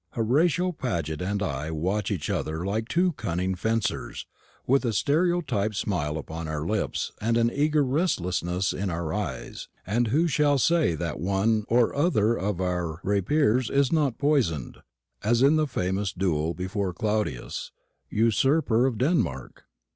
Horatio Paget and I watch each other like two cunning fencers, with a stereotyped smile upon our lips and an eager restlessness in our eyes, and who shall say that one or other of our rapiers is not poisoned, as in the famous duel before Claudius, usurper of Denmark?